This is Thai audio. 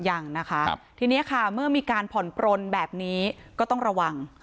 ยังนะคะทีนี้ค่ะเมื่อมีการผ่อนปลนแบบนี้ก็ต้องระวัง